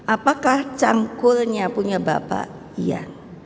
apakah cangkulnya punya bapak iya